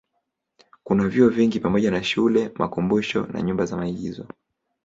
Kuna vyuo vingi pamoja na shule, makumbusho na nyumba za maigizo.